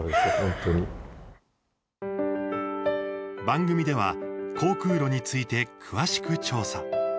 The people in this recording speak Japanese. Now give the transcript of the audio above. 番組では、航空路について詳しく調査。